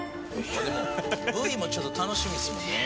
Ｖもちょっと楽しみですもんね。